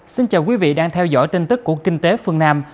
xin chào quý vị đang theo dõi tin tức của kinh tế phương nam